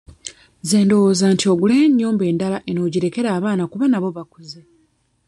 Nze ndowooza nti oguleyo ennyumba endala eno ogirekere abaana kuba nabo bakuze.